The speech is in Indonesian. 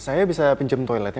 saya bisa pinjem toiletnya